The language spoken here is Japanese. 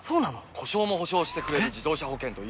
故障も補償してくれる自動車保険といえば？